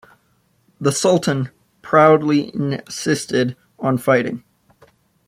The Sultan proudly insisted on fighting.